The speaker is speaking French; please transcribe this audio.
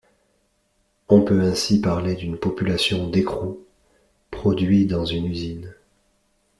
On peut ainsi parler d'une population d'écrous produits dans une usine.